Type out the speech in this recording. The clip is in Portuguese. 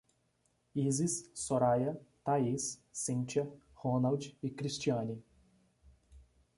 Isis, Soraia, Thaís, Cíntia, Ronald e Cristiane